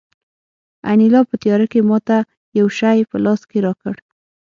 انیلا په تیاره کې ماته یو شی په لاس کې راکړ